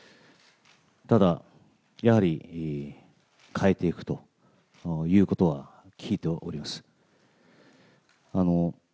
ただ、やはり変えていくということは聞いております。